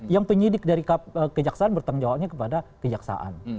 yang penyidik dari kejaksaan bertanggung jawabnya kepada kejaksaan